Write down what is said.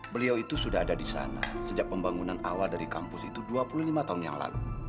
beliau itu sudah ada di sana sejak pembangunan awal dari kampus itu dua puluh lima tahun yang lalu